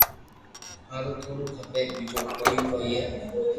ھارو ٿوڙو کپي ٻيجو ڪوئي ڪوئي ني